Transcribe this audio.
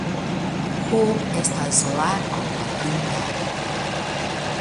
Ho, estas la kompatinda .